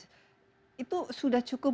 itu sudah cukup memadai untuk melakukan